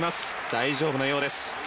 大丈夫なようです。